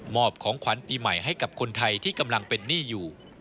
อบของขวัญปีใหม่ให้กับคนไทยที่กำลังเป็นหนี้อยู่